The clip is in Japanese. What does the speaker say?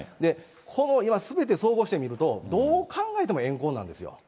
この今、すべて総合して見ると、どう考えても怨恨なんですよ。